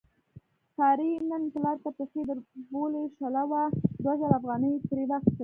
سارې نن پلار ته پښې دربولې، شله وه دوه زره افغانۍ یې ترې واخستلې.